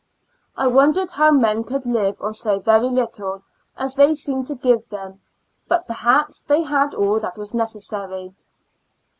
I wondered how men could live on so very little as they seemed to give them, but perhaps they had all that was necessary.